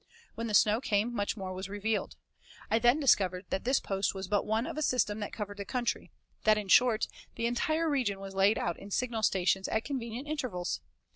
When the snow came much more was revealed. I then discovered that this post was but one of a system that covered the country; that, in short, the entire region was laid out in signal stations at convenient intervals.